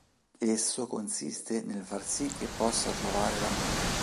Esso consiste nel far sì che possa trovare l'amore.